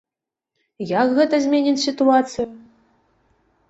Як гэта зменіць сітуацыю?